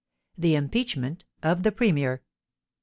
THE IMPEACHMENT OP THE PREMIER.